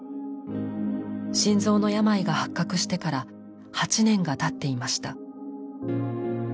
心臓の病が発覚してから８年が経っていました。